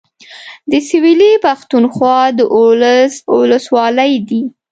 د سويلي پښتونخوا دولس اولسولۍ دي.